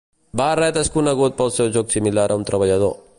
Barrett és conegut pel seu joc similar a un treballador.